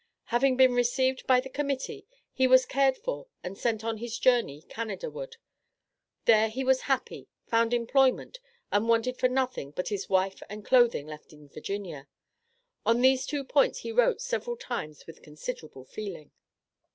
Having been received by the Committee, he was cared for and sent on his journey Canada ward. There he was happy, found employment and wanted for nothing but his wife and clothing left in Virginia. On these two points he wrote several times with considerable feeling.